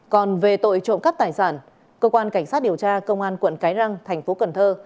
còn về tội trộm cắp tài sản cơ quan cảnh sát điều tra công an quận cái răng thành phố cần thơ